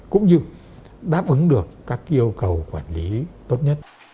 cũng như đáp ứng được các yêu cầu quản lý tốt nhất